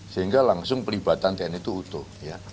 sehingga langsung pelibatan tni itu utuh